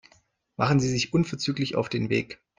Machen Sie sich unverzüglich auf den Weg.